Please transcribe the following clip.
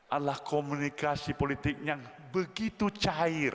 adalah komunikasi politik yang begitu cair